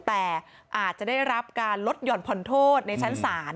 แต่อาจจะได้รับการลดหย่อนผ่อนโทษในชั้นศาล